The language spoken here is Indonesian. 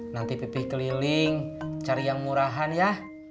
nanti pipih keliling cari yang murahan ya